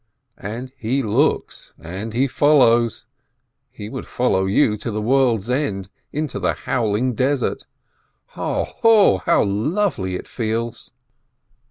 And he looks, and he follows, he would follow you to the world's end, into the howling desert. Ha, ha, how lovely it feels